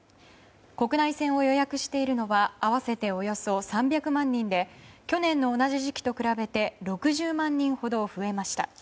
国内線を予約しているのは合わせておよそ３００万人で去年の同じ時期と比べて６０万人ほど増えました。